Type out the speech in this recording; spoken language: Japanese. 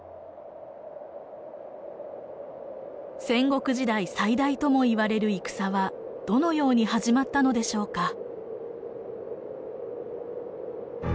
戦国時代最大ともいわれる戦はどのように始まったのでしょうか？